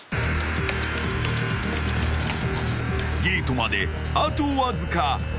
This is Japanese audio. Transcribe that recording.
［ゲートまであとわずか］